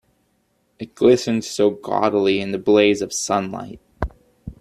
It glistened so gaudily in the blaze of sunlight.